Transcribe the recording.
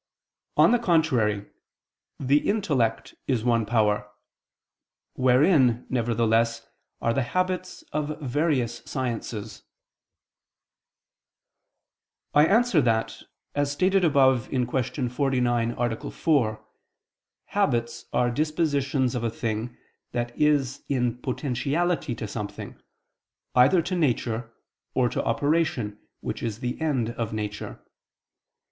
On the contrary, The intellect is one power; wherein, nevertheless, are the habits of various sciences. I answer that, As stated above (Q. 49, A. 4), habits are dispositions of a thing that is in potentiality to something, either to nature, or to operation, which is the end of nature.